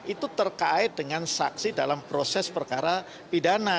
itu terkait dengan saksi dalam proses perkara pidana